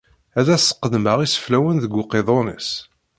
Ad as-qeddmeɣ iseflawen deg uqiḍun-is.